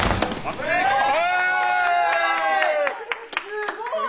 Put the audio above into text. すごい！